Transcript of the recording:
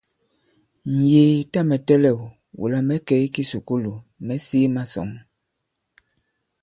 Ǹyēē, tâ mɛ̀ tɛlɛ̂w, wula mɛ̌ kɛ̀ i kisùkulù, mɛ̌ sēē masɔ̌ŋ.